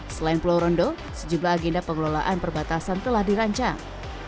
selain pulau rondo sejumlah agenda pengelolaan perbatasan telah dirancang